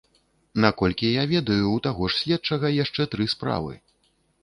Наколькі я ведаю, у таго ж следчага яшчэ тры справы.